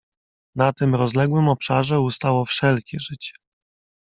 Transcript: "Na tym rozległym obszarze ustało wszelkie życie."